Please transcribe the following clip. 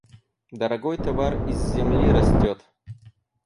Дорогой товар из земли растет.